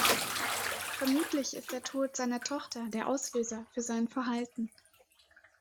Vermutlich ist der Tod seiner Tochter der Auslöser für sein Verhalten.